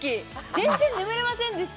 全然眠れませんでした